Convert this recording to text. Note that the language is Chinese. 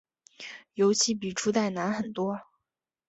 游戏比初代难很多。